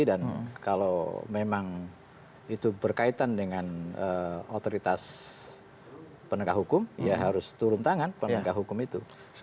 dan kalau memang itu berkaitan dengan otoritas penegak hukum ya harus turun tangan penegak hukum itu